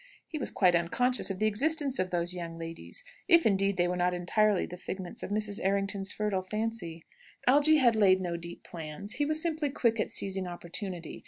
He was quite unconscious of the existence of those young ladies; if, indeed, they were not entirely the figments of Mrs. Errington's fertile fancy. Algy had laid no deep plans. He was simply quick at seizing opportunity.